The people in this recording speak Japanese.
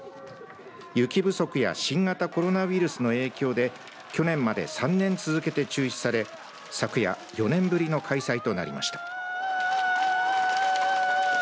雪不足や新型コロナウイルスの影響で去年まで３年続けて中止され昨夜、４年ぶりの開催となりました。